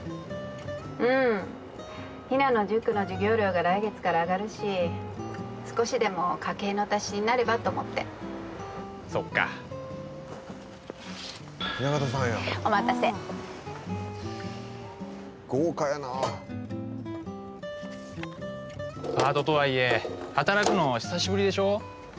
うんひなの塾の授業料が来月から上がるし少しでも家計の足しになればと思ってそっかお待たせパートとはいえ働くの久しぶりでしょ